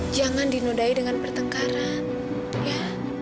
jangan dinodai dengan pertengkaran ya